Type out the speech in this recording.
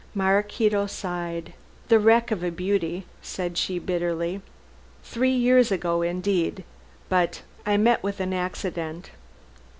Maraquito sighed. "The wreck of a beauty," said she bitterly, "three years ago indeed but I met with an accident."